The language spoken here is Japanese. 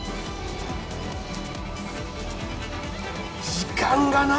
時間がない！